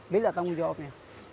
beda tanggung jawabnya